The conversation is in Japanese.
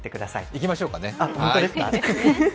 いきましょうかね。